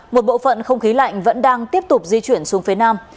một bộ phận không khí lạnh vẫn đang tiếp tục di chuyển xuống phía nam